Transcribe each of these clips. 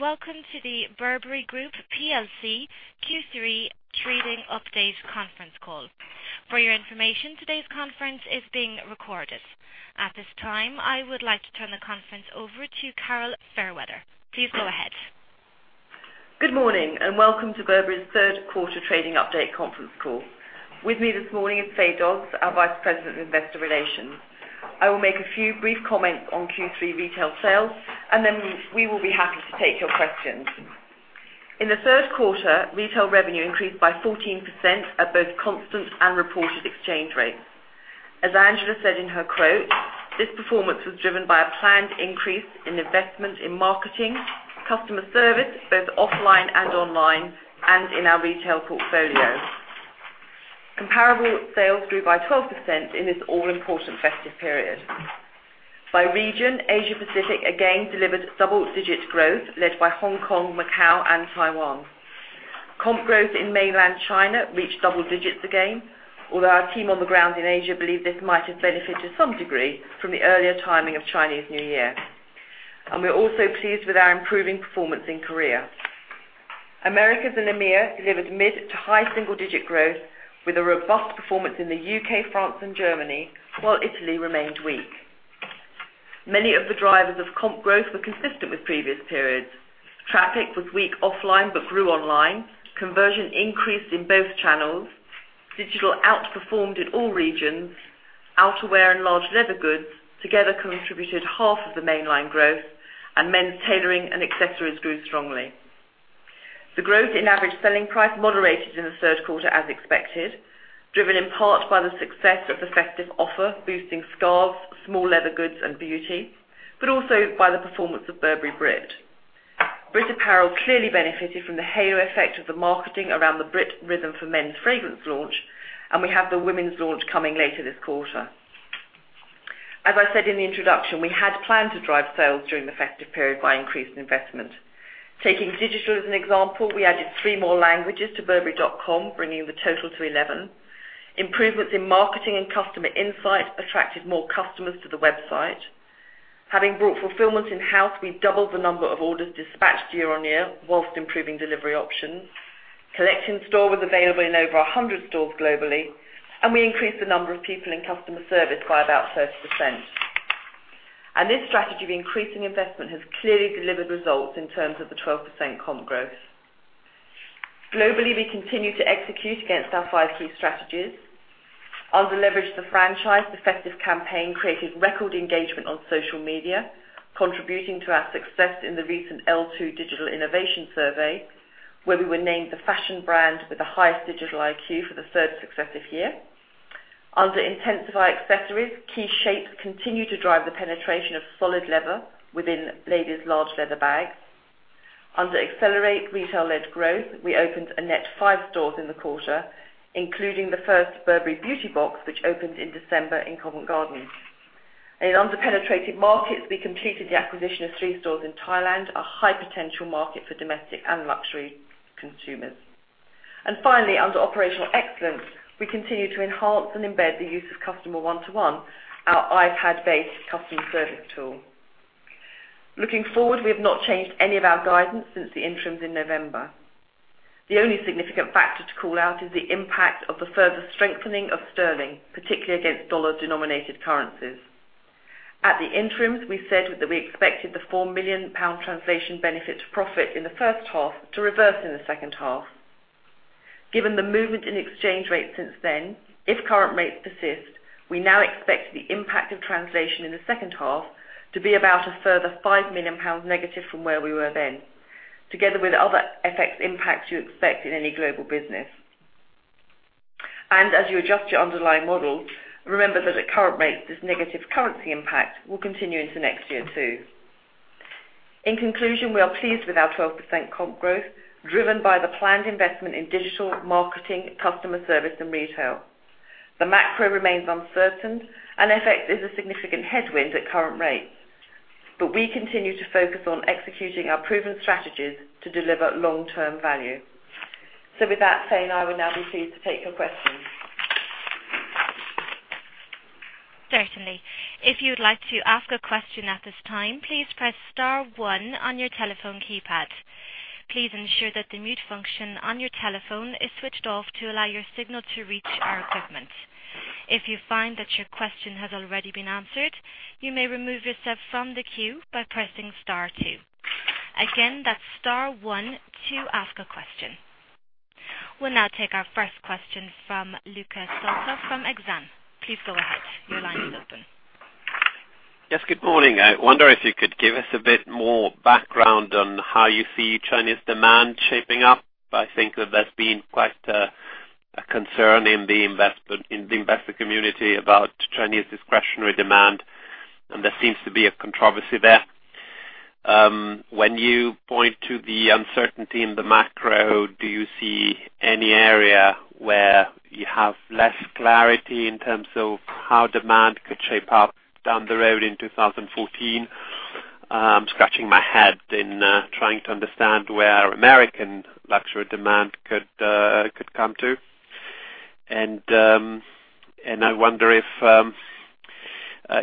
Welcome to the Burberry Group PLC Q3 trading update conference call. For your information, today's conference is being recorded. At this time, I would like to turn the conference over to Carol Fairweather. Please go ahead. Good morning, welcome to Burberry's third quarter trading update conference call. With me this morning is Fay Dodds, our Vice President of Investor Relations. I will make a few brief comments on Q3 retail sales, then we will be happy to take your questions. In the third quarter, retail revenue increased by 14% at both constant and reported exchange rates. As Angela said in her quote, this performance was driven by a planned increase in investment in marketing, customer service, both offline and online, and in our retail portfolio. Comparable sales grew by 12% in this all-important festive period. By region, Asia Pacific again delivered double-digit growth led by Hong Kong, Macau, and Taiwan. Comp growth in mainland China reached double digits again, although our team on the ground in Asia believe this might have benefited to some degree from the earlier timing of Chinese New Year. We're also pleased with our improving performance in Korea. Americas and EMEA delivered mid to high single-digit growth with a robust performance in the U.K., France, and Germany, while Italy remained weak. Many of the drivers of comp growth were consistent with previous periods. Traffic was weak offline but grew online. Conversion increased in both channels. Digital outperformed in all regions. Outerwear and large leather goods together contributed half of the mainline growth, men's tailoring and accessories grew strongly. The growth in average selling price moderated in the third quarter as expected, driven in part by the success of effective offer, boosting scarves, small leather goods, and beauty, but also by the performance of Burberry Brit. Brit Apparel clearly benefited from the halo effect of the marketing around the Brit Rhythm for Men fragrance launch, and we have the women's launch coming later this quarter. As I said in the introduction, we had planned to drive sales during the festive period by increased investment. Taking digital as an example, we added three more languages to burberry.com, bringing the total to 11. Improvements in marketing and customer insight attracted more customers to the website. Having brought fulfillment in-house, we doubled the number of orders dispatched year-on-year whilst improving delivery options. Collect-in-Store was available in over 100 stores globally, we increased the number of people in customer service by about 30%. This strategy of increasing investment has clearly delivered results in terms of the 12% comp growth. Globally, we continue to execute against our five key strategies. Under leverage the franchise, effective campaign created record engagement on social media, contributing to our success in the recent L2 Digital IQ Index, where we were named the fashion brand with the highest Digital IQ for the third successive year. Under intensify accessories, key shapes continue to drive the penetration of solid leather within ladies' large leather bags. Under accelerate retail-led growth, we opened a net five stores in the quarter, including the first Burberry Beauty Box, which opened in December in Covent Garden. Under penetrated markets, we completed the acquisition of three stores in Thailand, a high-potential market for domestic and luxury consumers. Finally, under operational excellence, we continue to enhance and embed the use of Customer 1-1, our iPad-based customer service tool. Looking forward, we have not changed any of our guidance since the interims in November. The only significant factor to call out is the impact of the further strengthening of sterling, particularly against dollar-denominated currencies. At the interims, we said that we expected the 4 million pound translation benefit to profit in the first half to reverse in the second half. Given the movement in exchange rates since then, if current rates persist, we now expect the impact of translation in the second half to be about a further 5 million pounds negative from where we were then, together with other FX impacts you expect in any global business. As you adjust your underlying model, remember that at current rates, this negative currency impact will continue into next year, too. In conclusion, we are pleased with our 12% comp growth driven by the planned investment in digital, marketing, customer service, and retail. The macro remains uncertain, and FX is a significant headwind at current rates. We continue to focus on executing our proven strategies to deliver long-term value. With that said, I would now be pleased to take your questions. Certainly. If you would like to ask a question at this time, please press star one on your telephone keypad. Please ensure that the mute function on your telephone is switched off to allow your signal to reach our equipment. If you find that your question has already been answered, you may remove yourself from the queue by pressing star two. Again, that's star one to ask a question. We'll now take our first question from Luca Solca from Exane. Please go ahead. Your line is open. Yes, good morning. I wonder if you could give us a bit more background on how you see Chinese demand shaping up. I think that there's been quite a concern in the investor community about Chinese discretionary demand, and there seems to be a controversy there. When you point to the uncertainty in the macro, do you see any area where you have less clarity in terms of how demand could shape up down the road in 2014? I'm scratching my head in trying to understand where American luxury demand could come to. I wonder if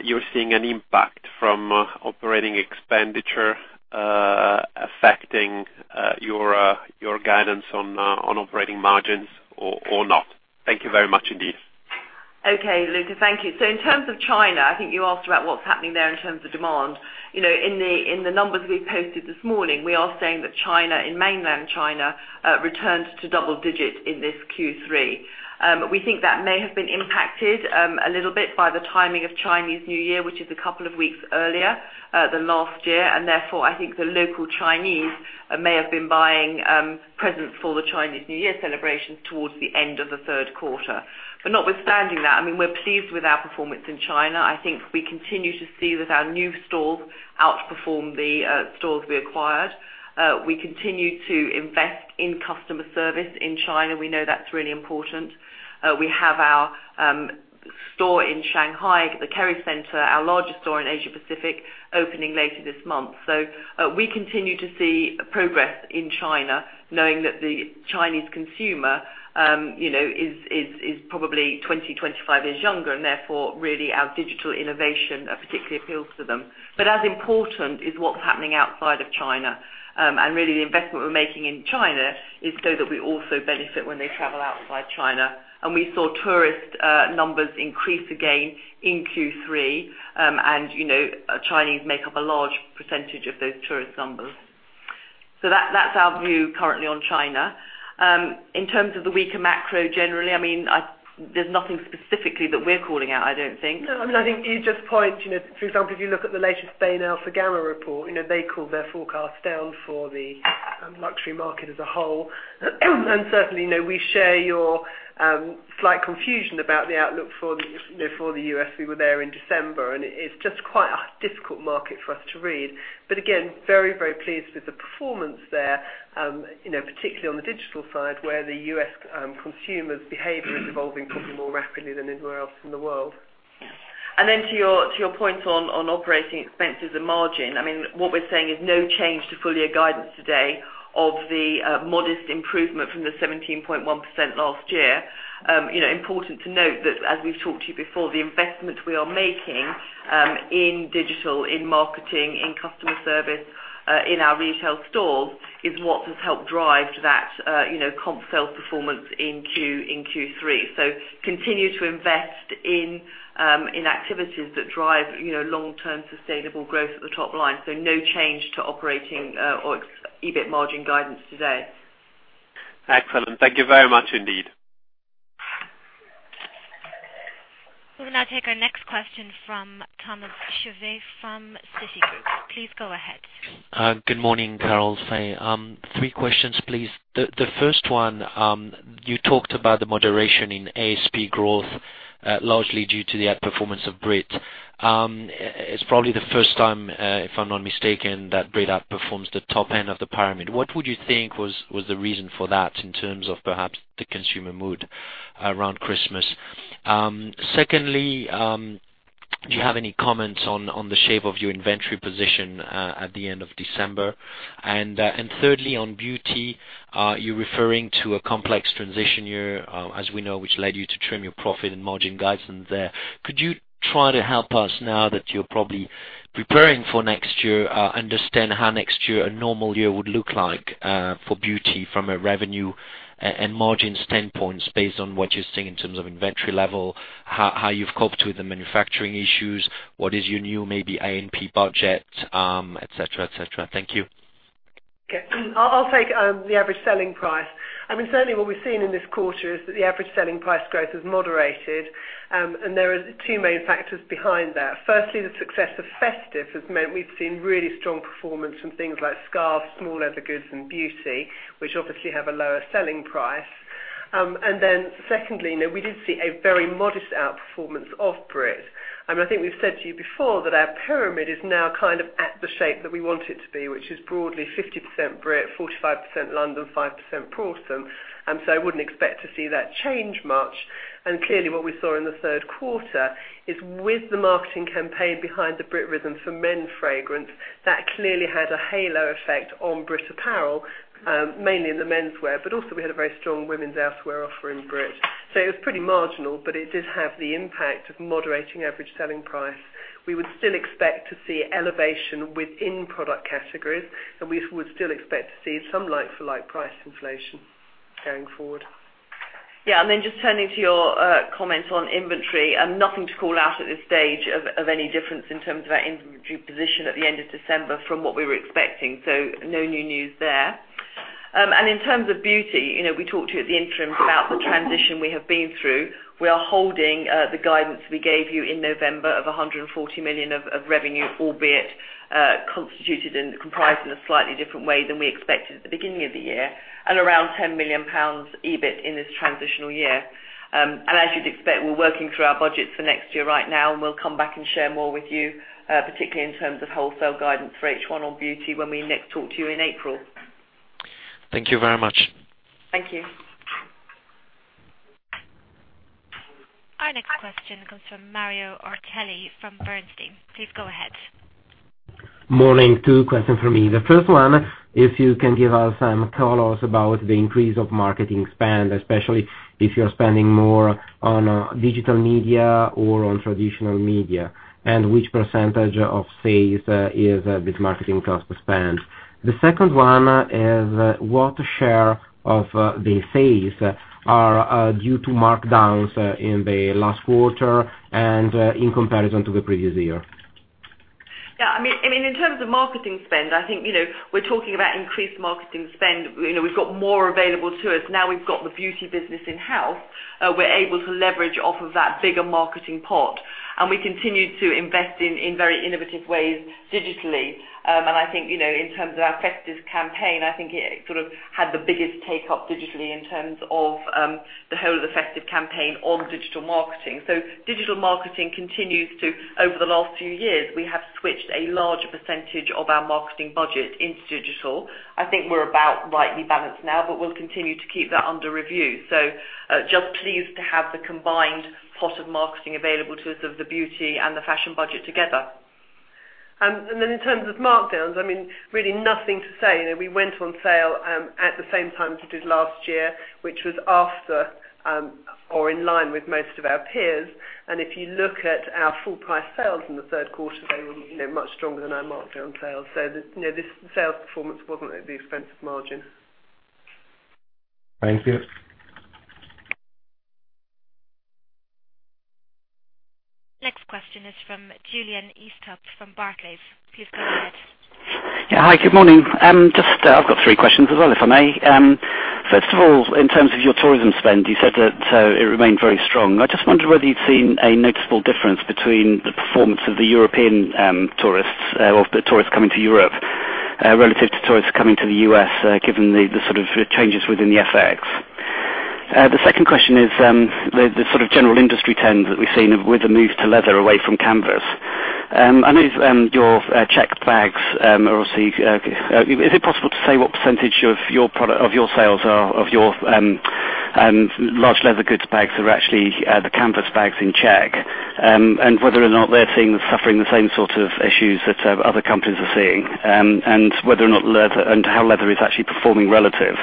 you're seeing an impact from operating expenditure affecting your guidance on operating margins or not. Thank you very much indeed. Okay, Luca, thank you. In terms of China, I think you asked about what's happening there in terms of demand. In the numbers we posted this morning, we are saying that China, in mainland China, returns to double-digit in this Q3. We think that may have been impacted a little bit by the timing of Chinese New Year, which is a couple of weeks earlier than last year. Therefore, I think the local Chinese may have been buying presents for the Chinese New Year celebrations towards the end of the third quarter. Notwithstanding that, we're pleased with our performance in China. I think we continue to see that our new stores outperform the stores we acquired. We continue to invest in customer service in China. We know that's really important. We have our store in Shanghai at the Kerry Center, our largest store in Asia Pacific, opening later this month. We continue to see progress in China, knowing that the Chinese consumer is probably 20, 25 years younger, and therefore, really our digital innovation particularly appeals to them. As important is what's happening outside of China. Really the investment we're making in China is so that we also benefit when they travel outside China. We saw tourist numbers increase again in Q3. Chinese make up a large % of those tourist numbers. That's our view currently on China. In terms of the weaker macro generally, there's nothing specifically that we're calling out, I don't think. No, I think you just point, for example, if you look at the latest Bain Altagamma report, they called their forecast down for the luxury market as a whole. Certainly, we share your slight confusion about the outlook for the U.S. We were there in December, and it's just quite a difficult market for us to read. Again, very, very pleased with the performance there, particularly on the digital side, where the U.S. consumer's behavior is evolving probably more rapidly than anywhere else in the world. To your point on operating expenses and margin, what we're saying is no change to full year guidance today of the modest improvement from the 17.1% last year. Important to note that as we've talked to you before, the investment we are making in digital, in marketing, in customer service, in our retail stores is what has helped drive that comp sales performance in Q3. Continue to invest in activities that drive long-term sustainable growth at the top line. No change to operating or EBIT margin guidance today. Excellent. Thank you very much indeed. We'll now take our next question from Thomas Chauvet from Citigroup. Please go ahead. Good morning, Carol, Fay. Three questions, please. The first one, you talked about the moderation in ASP growth largely due to the outperformance of Brit. It's probably the first time, if I'm not mistaken, that Brit outperforms the top end of the pyramid. What would you think was the reason for that in terms of perhaps the consumer mood around Christmas? Secondly, do you have any comments on the shape of your inventory position at the end of December? Thirdly, on beauty, you're referring to a complex transition year, as we know, which led you to trim your profit and margin guidance there. Could you try to help us now that you're probably preparing for next year, understand how next year a normal year would look like for beauty from a revenue and margin standpoint based on what you're seeing in terms of inventory level, how you've coped with the manufacturing issues, what is your new maybe A&P budget, et cetera? Thank you. I'll take the average selling price. Certainly what we've seen in this quarter is that the average selling price growth has moderated. There are two main factors behind that. Firstly, the success of festive has meant we've seen really strong performance from things like scarves, small leather goods and beauty, which obviously have a lower selling price. Secondly, we did see a very modest outperformance of Brit. I think we've said to you before that our pyramid is now kind of at the shape that we want it to be, which is broadly 50% Brit, 45% London, 5% Prorsum. I wouldn't expect to see that change much. Clearly what we saw in the third quarter is with the marketing campaign behind the Brit Rhythm for Men fragrance, that clearly had a halo effect on Brit apparel, mainly in the men's wear, but also we had a very strong women's outerwear offer in Brit. It was pretty marginal, but it did have the impact of moderating average selling price. We would still expect to see elevation within product categories. We would still expect to see some like-for-like price inflation going forward. Just turning to your comments on inventory, nothing to call out at this stage of any difference in terms of our inventory position at the end of December from what we were expecting. No new news there. In terms of beauty, we talked to you at the interim about the transition we have been through. We are holding the guidance we gave you in November of 140 million of revenue, albeit constituted and comprised in a slightly different way than we expected at the beginning of the year, and around £10 million EBIT in this transitional year. As you'd expect, we're working through our budgets for next year right now, and we'll come back and share more with you, particularly in terms of wholesale guidance for H1 on beauty when we next talk to you in April. Thank you very much. Thank you. Our next question comes from Mario Ortelli from Bernstein. Please go ahead. Morning. Two questions from me. The first one, if you can give us some colors about the increase of marketing spend, especially if you're spending more on digital media or on traditional media, and which % of sales is this marketing cost spent? The second one is, what share of the sales are due to markdowns in the last quarter and in comparison to the previous year? Yeah. In terms of marketing spend, I think we're talking about increased marketing spend. We've got more available to us. Now we've got the beauty business in-house, we're able to leverage off of that bigger marketing pot. We continue to invest in very innovative ways digitally. I think, in terms of our festive campaign, I think it sort of had the biggest take-up digitally in terms of the whole festive campaign on digital marketing. Digital marketing continues to, over the last few years, we have switched a large percentage of our marketing budget into digital. I think we're about rightly balanced now, but we'll continue to keep that under review. Just pleased to have the combined pot of marketing available to us of the beauty and the fashion budget together. In terms of markdowns, really nothing to say. We went on sale at the same time as we did last year, which was after or in line with most of our peers. If you look at our full price sales in the third quarter, they were much stronger than our markdown sales. This sales performance wasn't at the expense of margin. Thank you. Next question is from Julian Easthope from Barclays. Please go ahead. Hi, good morning. I've got three questions as well, if I may. First of all, in terms of your tourism spend, you said that it remained very strong. I just wonder whether you've seen a noticeable difference between the performance of the European tourists or the tourists coming to Europe relative to tourists coming to the U.S., given the sort of changes within the FX. The second question is the sort of general industry trend that we've seen with the move to leather away from canvas. Your checked bags, is it possible to say what % of your sales, of your large leather goods bags are actually the canvas bags in check? Whether or not they're suffering the same sort of issues that other companies are seeing, and how leather is actually performing relative.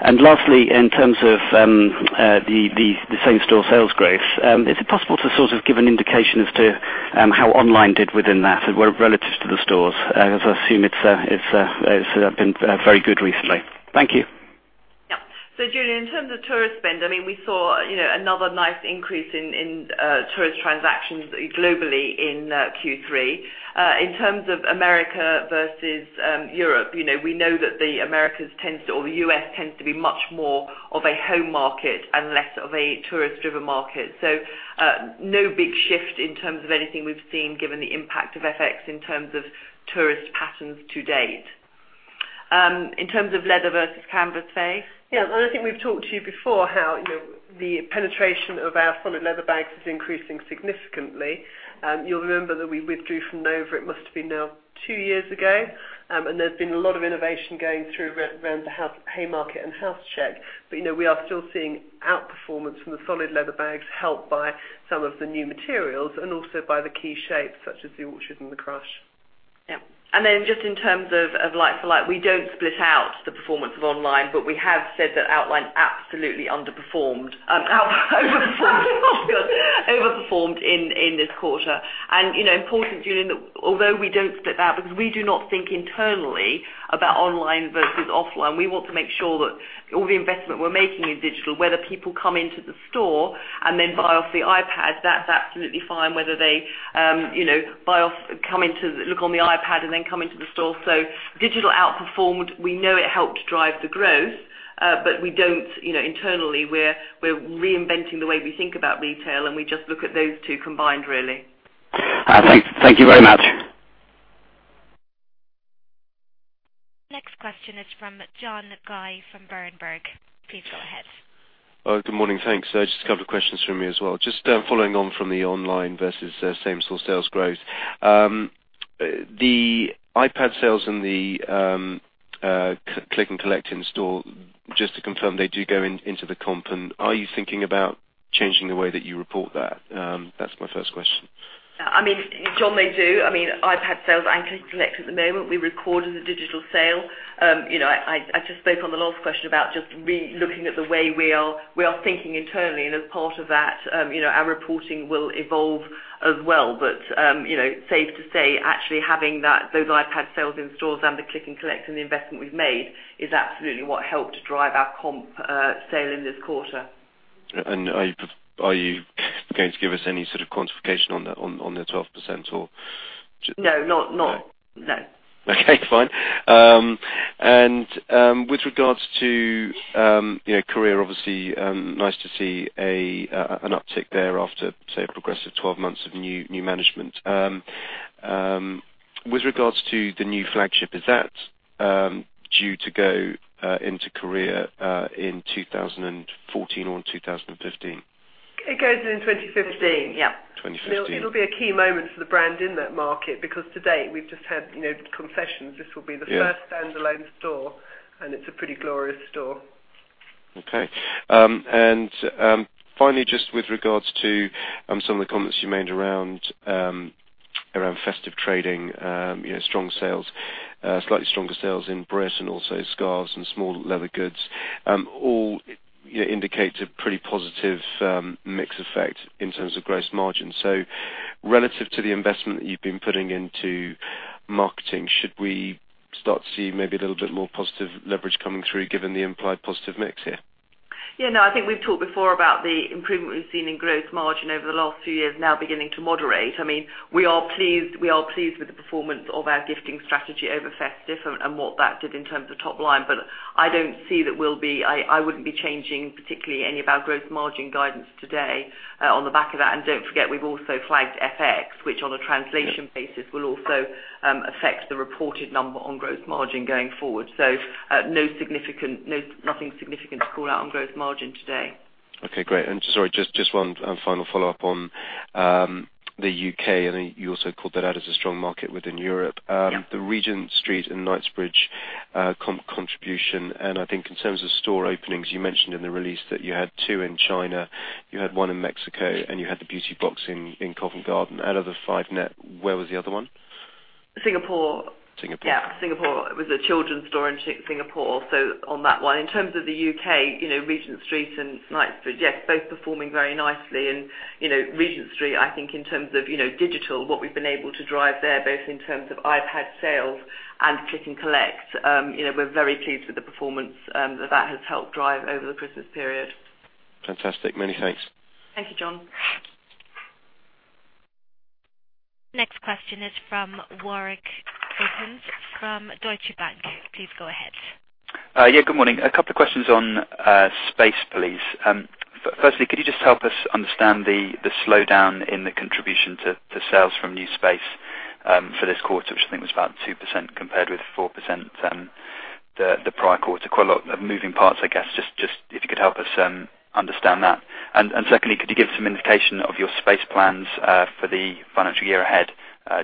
Lastly, in terms of the same-store sales growth, is it possible to sort of give an indication as to how online did within that relative to the stores? As I assume it's been very good recently. Thank you. Julian, in terms of tourist spend, we saw another nice increase in tourist transactions globally in Q3. In terms of America versus Europe, we know that the U.S. tends to be much more of a home market and less of a tourist-driven market. No big shift in terms of anything we've seen given the impact of FX in terms of tourist patterns to date. In terms of leather versus canvas, Fay? I think we've talked to you before how the penetration of our solid leather bags is increasing significantly. You'll remember that we withdrew from Nova, it must have been now two years ago. There's been a lot of innovation going through around the Haymarket and House check. We are still seeing outperformance from the solid leather bags helped by some of the new materials and also by the key shapes such as the Orchard and the Crush. Just in terms of like-for-like, we don't split out the performance of online, but we have said that online absolutely overperformed in this quarter. Important, Julian, although we don't split that because we do not think internally about online versus offline. We want to make sure that all the investment we're making in digital, whether people come into the store and then buy off the iPad, that's absolutely fine. Whether they look on the iPad and then come into the store. Digital outperformed. We know it helped drive the growth. Internally, we're reinventing the way we think about retail, and we just look at those two combined, really. Thank you very much. Next question is from John Guy from Berenberg. Please go ahead. Good morning. Thanks. Just a couple of questions from me as well. Just following on from the online versus same-store sales growth. The iPad sales and the click and collect in store, just to confirm, they do go into the comp. Are you thinking about changing the way that you report that? That's my first question. John, they do. iPad sales and click and collect at the moment, we record as a digital sale. I just spoke on the last question about just re-looking at the way we are thinking internally. As part of that our reporting will evolve as well. Safe to say, actually having those iPad sales in stores and the click and collect and the investment we've made is absolutely what helped drive our comp sale in this quarter. Are you going to give us any sort of quantification on the 12% or? No. Okay, fine. With regards to Korea, obviously, nice to see an uptick there after, say, a progressive 12 months of new management. With regards to the new flagship, is that due to go into Korea in 2014 or 2015? It goes in 2015. Yeah. 2015. It'll be a key moment for the brand in that market because to date we've just had concessions. This will be the first Yeah standalone store, and it's a pretty glorious store. Okay. Finally, just with regards to some of the comments you made around festive trading, strong sales, slightly stronger sales in Brit, also scarves and small leather goods, all indicate a pretty positive mix effect in terms of gross margin. Relative to the investment that you've been putting into marketing, should we start to see maybe a little bit more positive leverage coming through given the implied positive mix here? Yeah, no, I think we've talked before about the improvement we've seen in gross margin over the last few years now beginning to moderate. We are pleased with the performance of our gifting strategy over festive, and what that did in terms of top line. I wouldn't be changing particularly any of our gross margin guidance today, on the back of that. Don't forget, we've also flagged FX, which on a translation basis will also affect the reported number on gross margin going forward. Nothing significant to call out on gross margin today. Okay, great. Sorry, just one final follow-up on the U.K., you also called that out as a strong market within Europe. Yeah. The Regent Street and Knightsbridge contribution, I think in terms of store openings, you mentioned in the release that you had two in China, you had one in Mexico, and you had the Beauty Box in Covent Garden. Out of the five net, where was the other one? Singapore. Singapore. Yeah. Singapore. It was a children's store in Singapore, on that one. In terms of the U.K., Regent Street and Knightsbridge, yes, both performing very nicely. Regent Street, I think in terms of digital, what we've been able to drive there, both in terms of iPad sales and click and collect. We're very pleased with the performance that has helped drive over the Christmas period. Fantastic. Many thanks. Thank you, John. Next question is from Warrick Gibbons from Deutsche Bank. Please go ahead. Good morning. A couple of questions on space, please. Firstly, could you just help us understand the slowdown in the contribution to sales from new space, for this quarter, which I think was about 2% compared with 4% the prior quarter. Quite a lot of moving parts, I guess, if you could help us understand that. Secondly, could you give some indication of your space plans for the financial year ahead,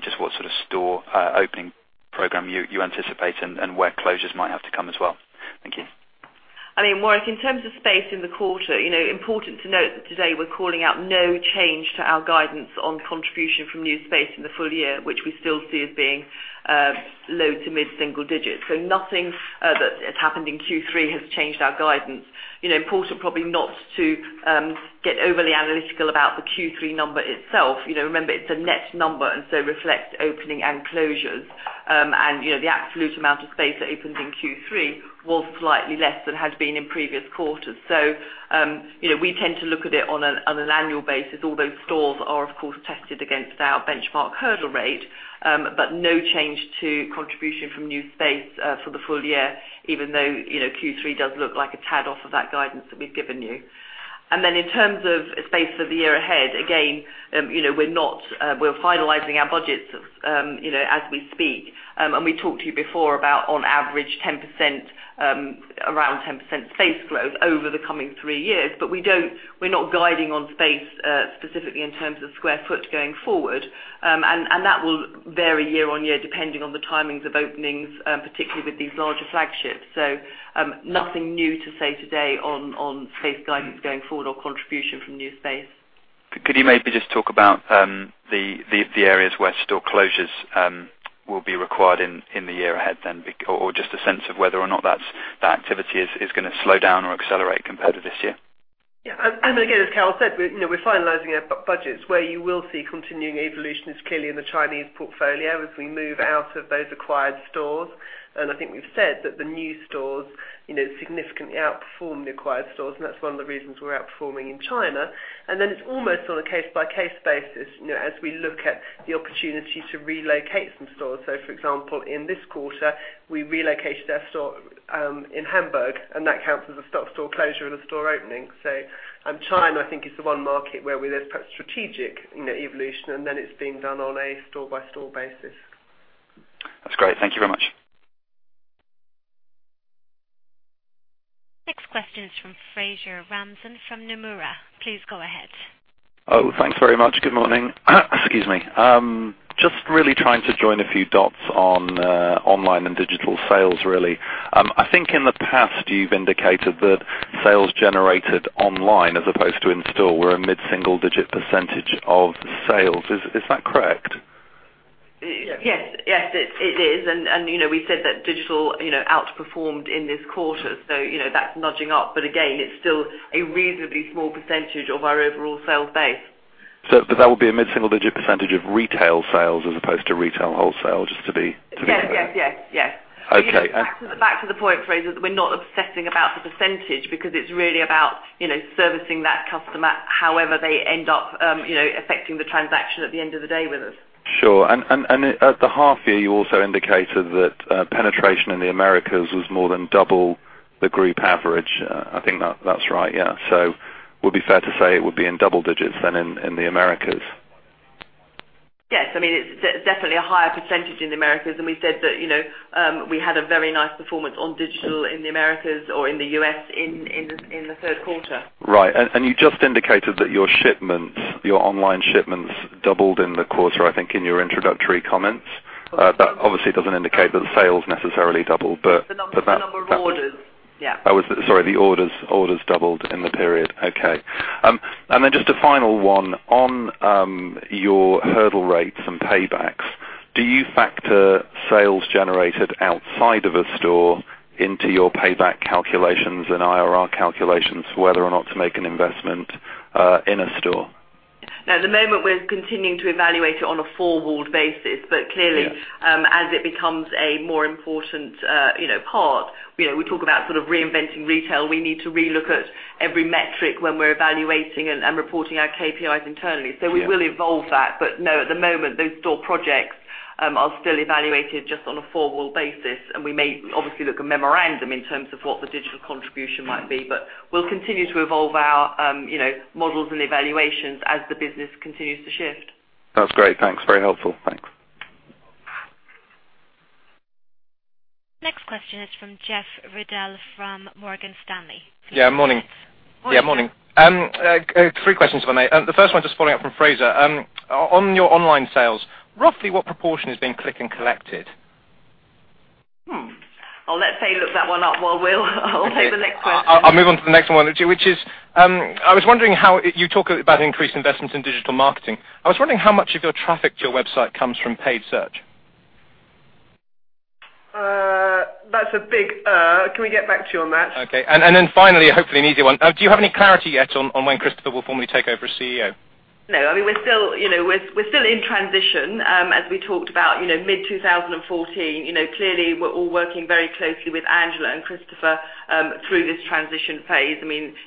just what sort of store opening program you anticipate and where closures might have to come as well? Thank you. I mean, Warrick, in terms of space in the quarter, important to note that today we are calling out no change to our guidance on contribution from new space in the full year, which we still see as being low to mid single digits. Nothing that has happened in Q3 has changed our guidance. Important probably not to get overly analytical about the Q3 number itself. Remember, it's a net number, and so reflects opening and closures. The absolute amount of space that opened in Q3 was slightly less than has been in previous quarters. We tend to look at it on an annual basis, although stores are, of course, tested against our benchmark hurdle rate. No change to contribution from new space for the full year, even though Q3 does look like a tad off of that guidance that we have given you. In terms of space for the year ahead, again, we're finalizing our budgets as we speak. We talked to you before about on average around 10% space growth over the coming three years. We're not guiding on space, specifically in terms of square foot going forward. That will vary year-on-year depending on the timings of openings, particularly with these larger flagships. Nothing new to say today on space guidance going forward or contribution from new space. Could you maybe just talk about the areas where store closures will be required in the year ahead then, or just a sense of whether or not that activity is going to slow down or accelerate compared to this year? Again, as Carol said, we're finalizing our budgets. Where you will see continuing evolution is clearly in the Chinese portfolio as we move out of those acquired stores. I think we've said that the new stores significantly outperform the acquired stores, and that's one of the reasons we're outperforming in China. It's almost on a case-by-case basis as we look at the opportunity to relocate some stores. For example, in this quarter, we relocated our store in Hamburg, and that counts as a store closure and a store opening. China I think is the one market where there's perhaps strategic evolution, and then it's being done on a store-by-store basis. That's great. Thank you very much. Next question is from Fraser Ramzan from Nomura. Please go ahead. Oh, thanks very much. Good morning. Excuse me. Just really trying to join a few dots on online and digital sales, really. I think in the past you've indicated that sales generated online as opposed to in store were a mid-single digit % of sales. Is that correct? Yes. It is. We said that digital outperformed in this quarter, that's nudging up. Again, it's still a reasonably small % of our overall sales base. That would be a mid-single digit % of retail sales as opposed to retail wholesale, just to be clear. Yes. Okay. Back to the point, Fraser, that we're not obsessing about the percentage because it's really about servicing that customer however they end up effecting the transaction at the end of the day with us. Sure. At the half year, you also indicated that penetration in the Americas was more than double the group average. I think that's right, yeah. Would it be fair to say it would be in double digits then in the Americas? Yes. It's definitely a higher percentage in the Americas, we said that we had a very nice performance on digital in the Americas or in the U.S. in the third quarter. Right. You just indicated that your online shipments doubled in the quarter, I think, in your introductory comments. That obviously doesn't indicate that sales necessarily doubled. The number ordered. Yeah. Sorry, the orders doubled in the period. Okay. Just a final one. On your hurdle rates and paybacks, do you factor sales generated outside of a store into your payback calculations and IRR calculations for whether or not to make an investment in a store? No, at the moment, we're continuing to evaluate it on a forward basis. Clearly. Yeah As it becomes a more important part, we talk about sort of reinventing retail. We need to relook at every metric when we're evaluating and reporting our KPIs internally. Yeah. We will evolve that. No, at the moment, those store projects are still evaluated just on a forward basis, and we may obviously look a memorandum in terms of what the digital contribution might be. We'll continue to evolve our models and evaluations as the business continues to shift. That's great. Thanks. Very helpful. Thanks. Next question is from Geoff Ruddell from Morgan Stanley. Yeah, morning. Morning. Yeah, morning. three questions, if I may. The first one, just following up from Fraser. On your online sales, roughly what proportion has been click and collected? I'll let Fay look that one up while I'll take the next question. Okay. I'll move on to the next one, which is, I was wondering how you talk about increased investments in digital marketing. I was wondering how much of your traffic to your website comes from paid search. That's a big. Can we get back to you on that? Okay. Finally, hopefully an easy one. Do you have any clarity yet on when Christopher will formally take over as CEO? No, we're still in transition. As we talked about mid 2014. Clearly, we're all working very closely with Angela and Christopher through this transition phase.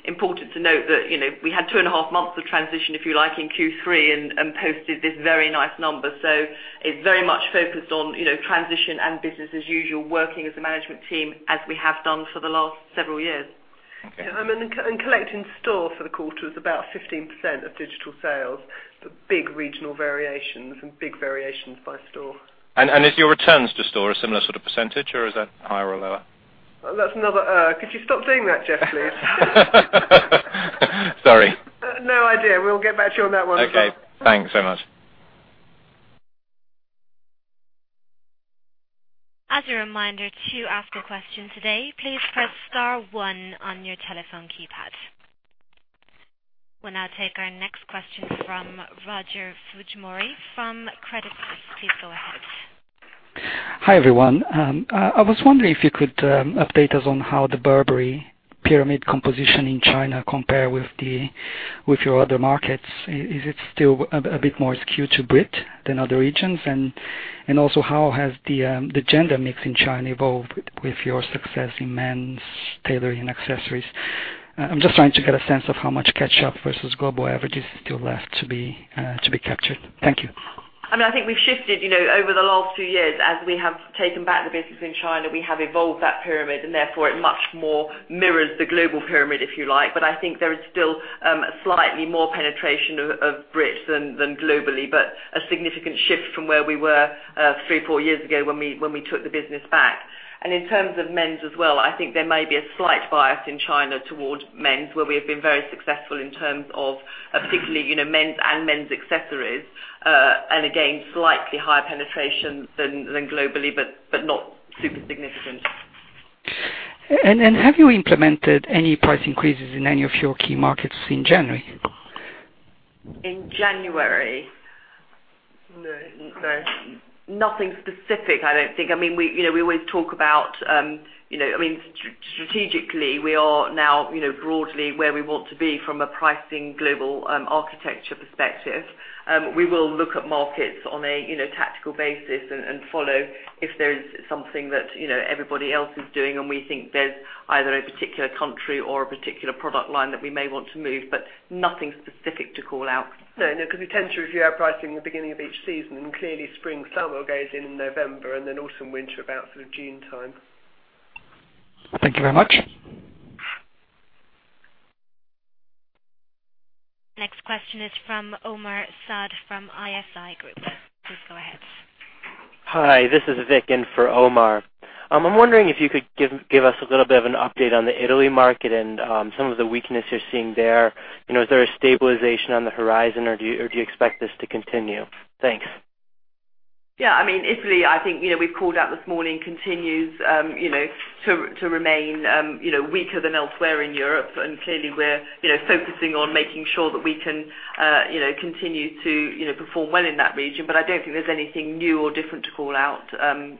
Important to note that we had two and a half months of transition, if you like, in Q3 and posted this very nice number. It's very much focused on transition and business as usual, working as a management team as we have done for the last several years. Okay. Collect in store for the quarter is about 15% of digital sales, big regional variations and big variations by store. Is your returns to store a similar sort of percentage, or is that higher or lower? That's another. Could you stop doing that, Geoff, please? Sorry. No idea. We'll get back to you on that one as well. Okay. Thanks so much. As a reminder to ask a question today, please press star one on your telephone keypad. We'll now take our next question from Roger Fujimori from Credit Suisse. Please go ahead. Hi, everyone. I was wondering if you could update us on how the Burberry pyramid composition in China compare with your other markets. Is it still a bit more skewed to Brit than other regions? Also, how has the gender mix in China evolved with your success in men's tailoring accessories? I'm just trying to get a sense of how much catch-up versus global average is still left to be captured. Thank you. I think we've shifted over the last two years as we have taken back the business in China. We have evolved that pyramid, and therefore, it much more mirrors the global pyramid, if you like. I think there is still slightly more penetration of Brits than globally, but a significant shift from where we were three, four years ago when we took the business back. In terms of men's as well, I think there may be a slight bias in China towards men's, where we have been very successful in terms of particularly men's and men's accessories. Again, slightly higher penetration than globally, but not super significant. Have you implemented any price increases in any of your key markets in January? In January? No. Nothing specific, I don't think. We always talk about strategically, we are now broadly where we want to be from a pricing global architecture perspective. We will look at markets on a tactical basis and follow if there's something that everybody else is doing, and we think there's either a particular country or a particular product line that we may want to move, but nothing specific to call out. No, because we tend to review our pricing at the beginning of each season, and clearly spring/summer goes in in November and then autumn/winter about sort of June time. Thank you very much. Next question is from Omar Saad from ISI Group. Please go ahead. Hi, this is Vic in for Omar. I'm wondering if you could give us a little bit of an update on the Italy market and some of the weakness you're seeing there. Is there a stabilization on the horizon, or do you expect this to continue? Thanks. Yeah. Italy, I think we've called out this morning continues to remain weaker than elsewhere in Europe, and clearly we're focusing on making sure that we can continue to perform well in that region. I don't think there's anything new or different to call out,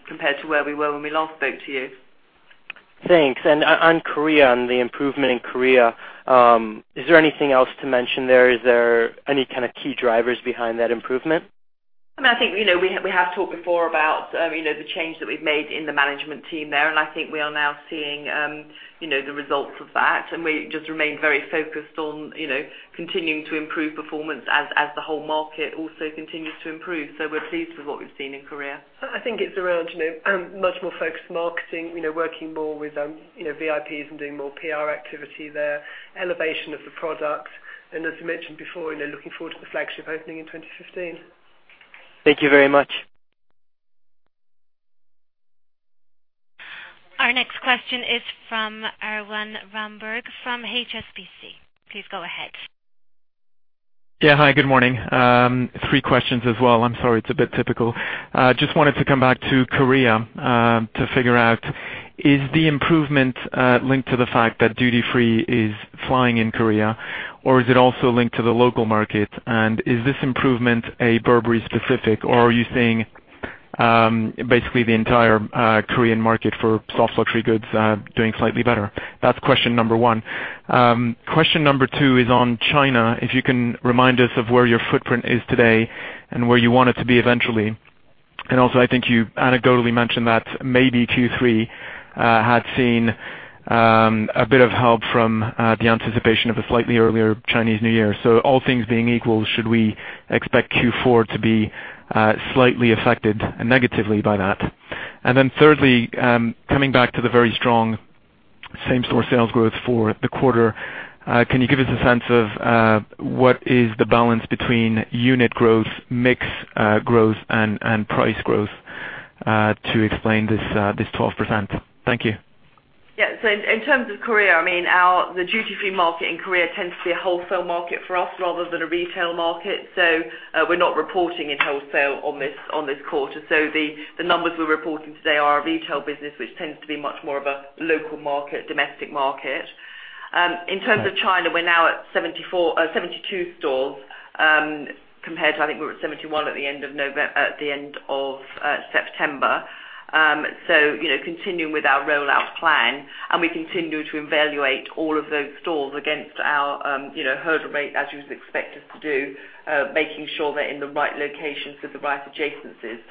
compared to where we were when we last spoke to you. Thanks. On Korea and the improvement in Korea, is there anything else to mention there? Is there any kind of key drivers behind that improvement? I think we have talked before about the change that we've made in the management team there, and I think we are now seeing the results of that, and we just remain very focused on continuing to improve performance as the whole market also continues to improve. We're pleased with what we've seen in Korea. I think it's around much more focused marketing, working more with VIPs and doing more PR activity there, elevation of the product, and as we mentioned before, looking forward to the flagship opening in 2015. Thank you very much. Our next question is from Erwan Rambourg from HSBC. Please go ahead. Hi, good morning. Three questions as well. I'm sorry, it's a bit typical. Just wanted to come back to Korea, to figure out, is the improvement linked to the fact that duty-free is flying in Korea, or is it also linked to the local market? Is this improvement a Burberry specific, or are you saying basically the entire Korean market for soft luxury goods doing slightly better? That's question number one. Question number two is on China. If you can remind us of where your footprint is today and where you want it to be eventually. Also, I think you anecdotally mentioned that maybe Q3 had seen a bit of help from the anticipation of a slightly earlier Chinese New Year. All things being equal, should we expect Q4 to be slightly affected negatively by that? Thirdly, coming back to the very strong same-store sales growth for the quarter, can you give us a sense of what is the balance between unit growth, mix growth and price growth, to explain this 12%? Thank you. In terms of Korea, the duty-free market in Korea tends to be a wholesale market for us rather than a retail market. We're not reporting in wholesale on this quarter. The numbers we're reporting today are our retail business, which tends to be much more of a local market, domestic market. In terms of China, we're now at 72 stores, compared to, I think we were at 71 at the end of September. Continuing with our rollout plan, and we continue to evaluate all of those stores against our hurdle rate as you would expect us to do, making sure they're in the right locations with the right adjacencies.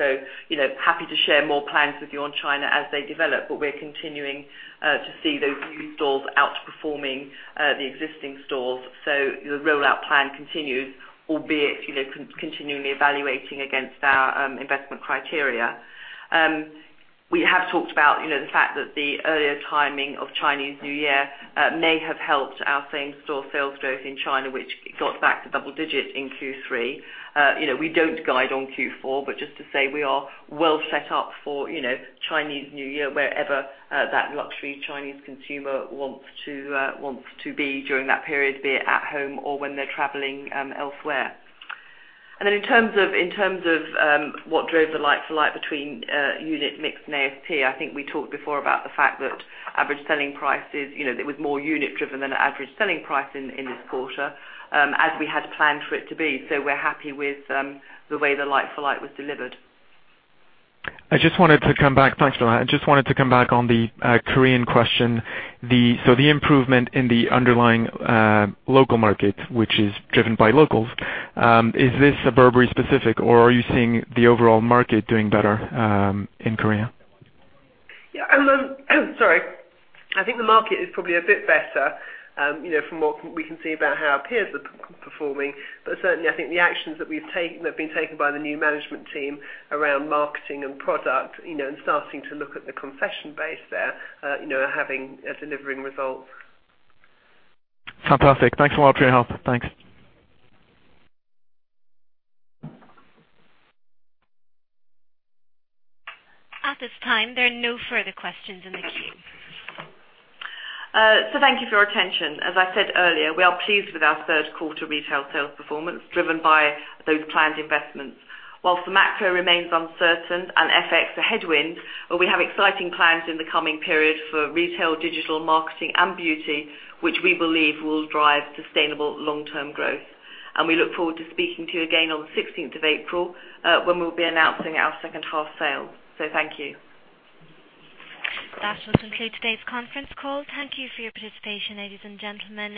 Happy to share more plans with you on China as they develop. We're continuing to see those new stores outperforming the existing stores. The rollout plan continues, albeit continually evaluating against our investment criteria. We have talked about the fact that the earlier timing of Chinese New Year may have helped our same-store sales growth in China, which got back to double digit in Q3. We don't guide on Q4, but just to say we are well set up for Chinese New Year wherever that luxury Chinese consumer wants to be during that period, be it at home or when they're traveling elsewhere. In terms of what drove the like-for-like between unit mix and ASP, I think we talked before about the fact that it was more unit driven than an average selling price in this quarter, as we had planned for it to be. We're happy with the way the like-for-like was delivered. Thanks for that. I just wanted to come back on the Korean question. The improvement in the underlying local market, which is driven by locals, is this Burberry specific, or are you seeing the overall market doing better in Korea? Yeah. Sorry. I think the market is probably a bit better, from what we can see about how our peers are performing. Certainly, I think the actions that have been taken by the new management team around marketing and product, and starting to look at the concession base there, are delivering results. Fantastic. Thanks a lot for your help. Thanks. At this time, there are no further questions in the queue. Thank you for your attention. As I said earlier, we are pleased with our third quarter retail sales performance, driven by those planned investments. Whilst the macro remains uncertain and FX a headwind, well, we have exciting plans in the coming period for retail, digital marketing and beauty, which we believe will drive sustainable long-term growth. We look forward to speaking to you again on the 16th of April, when we'll be announcing our second half sales. Thank you. That will conclude today's conference call. Thank you for your participation, ladies and gentlemen.